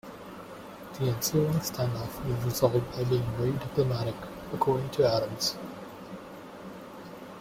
The ensuing standoff was resolved "by being very diplomatic," according to Adams.